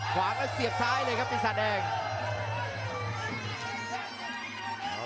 ขวางก็เสียบซ้ายเลยครับปีศาจแดง